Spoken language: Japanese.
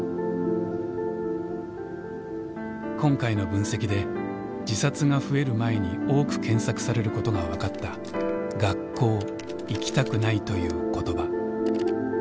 今回の分析で自殺が増える前に多く検索されることが分かった「学校行きたくない」という言葉。